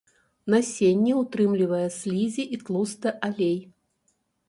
Насенне ўтрымлівае слізі і тлусты алей.